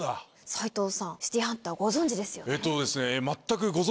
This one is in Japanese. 斉藤さん『シティーハンター』ご存じですよね？